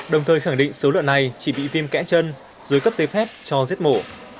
đồng thời khẳng định số lượng này chỉ bị viêm kẽ chân rồi cấp giấy phép cho giết mổ